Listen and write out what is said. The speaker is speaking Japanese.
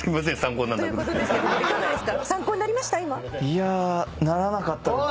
いやならなかったです。